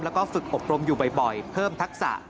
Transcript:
แล้วก็ฝึกอบรมอยู่บ่อยเพิ่มทักษะ